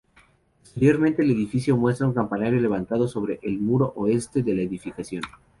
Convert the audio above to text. Exteriormente el edificio muestra un campanario levantado sobre el muro oeste de la edificación.